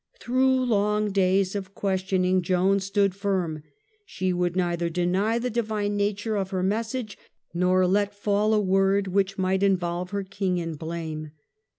Through long days of questioning Joan stood firm ; she would neither deny the divine nature of her message, nor let fall a word which might involve her King in blame.